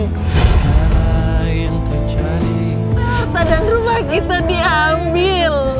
tata dan rumah kita diambil